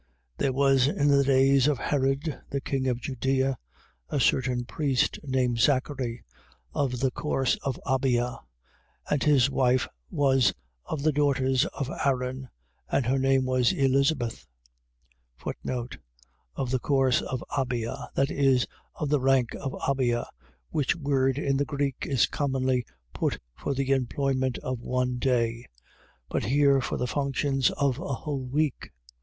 There was in the days of Herod, the king of Judea, a certain priest named Zachary, of the course of Abia: and his wife was of the daughters of Aaron, and her name Elizabeth. Of the course of Abia. . .that is, of the rank of Abia, which word in the Greek is commonly put for the employment of one day: but here for the functions of a whole week.